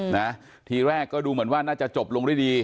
นะทีแรกก็ดูเหมือนว่าน่าจะจบลงด้วยดี